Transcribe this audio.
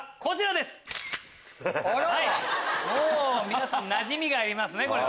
皆さんなじみがありますね。